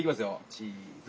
チーズ！